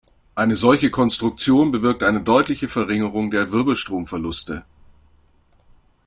Eine solche Konstruktion bewirkt eine deutliche Verringerung der Wirbelstromverluste.